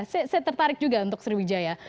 saya tertarik juga untuk sriwijaya